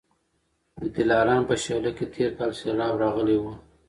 د دلارام په شېله کي تېر کال سېلاب راغلی و